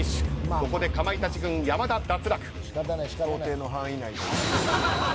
ここでかまいたち軍、山田脱落。